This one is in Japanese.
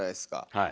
はい。